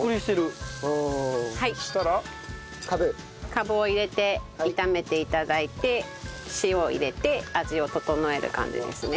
カブを入れて炒めて頂いて塩を入れて味を調える感じですね。